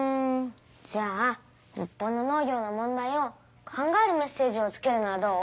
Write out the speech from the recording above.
じゃあ日本の農業の問題を考えるメッセージをつけるのはどう？